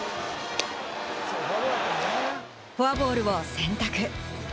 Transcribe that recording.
フォアボールを選択。